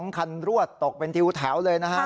คันรวดตกเป็นทิวแถวเลยนะฮะ